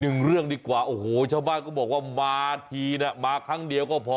หนึ่งเรื่องดีกว่าโอ้โหชาวบ้านก็บอกว่ามาทีนะมาครั้งเดียวก็พอ